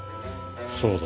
そうだ。